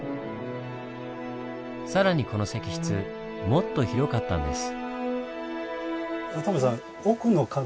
更にこの石室もっと広かったんです。